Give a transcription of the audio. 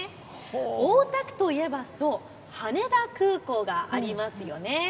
大田区といえば羽田空港がありますよね。